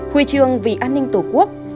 huy chương vì an ninh tổ quốc